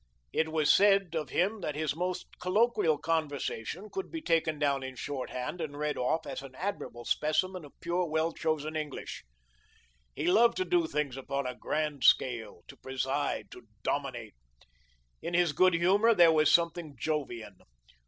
It was said of him that his most colloquial conversation could be taken down in shorthand and read off as an admirable specimen of pure, well chosen English. He loved to do things upon a grand scale, to preside, to dominate. In his good humour there was something Jovian.